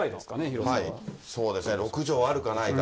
そうですね、６畳あるかないか。